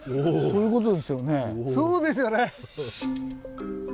そうですよね！